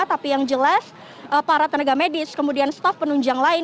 tapi yang jelas para tenaga medis kemudian staff penunjang lain